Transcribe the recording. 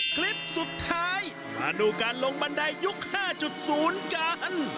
คลิปสุดท้ายมาดูการลงบันไดยุค๕๐กัน